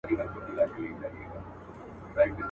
په هر رنګ کي څرګندیږي له شیطانه یمه ستړی.